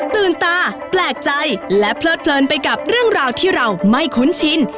ตื่นตาแปลกใจและเพลิดเพลินไปกับเรื่องราวที่เราไม่คุ้นชิน